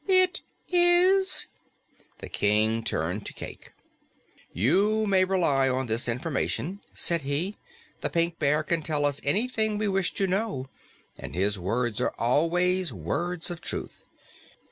"It is." The King turned to Cayke. "You may rely on this information," said he. "The Pink Bear can tell us anything we wish to know, and his words are always words of truth."